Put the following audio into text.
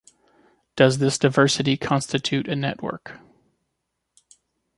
Does this 'diversity' constitute a network?